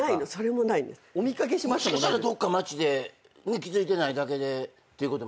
もしかしたらどっか街で気付いてないだけでってことも。